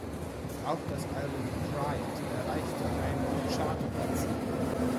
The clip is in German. Auch das Album "Pride" erreichte eine Chartplatzierung.